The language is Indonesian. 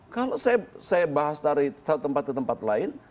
kalau saya bahas dari satu tempat ke tempat lain